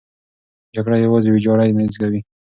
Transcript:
جګړه یوازې ویجاړۍ زېږوي.